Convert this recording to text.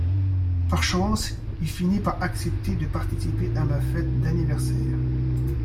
Par chance, il finit par accepter de participer à ma fête d'anniversaire